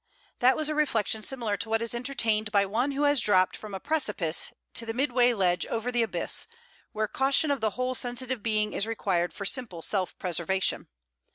That was a reflection similar to what is entertained by one who has dropped from a precipice to the midway ledge over the abyss, where caution of the whole sensitive being is required for simple self preservation.